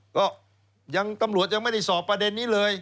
ก็ยังตำรวจยังไม่ได้สอบประเด็นนี้เลย